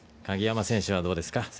鍵山選手はどうですか。